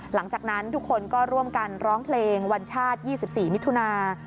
หลังจากนั้นทุกคนก็ร่วมกันร้องเพลงวันชาติ๒๔มิถุนา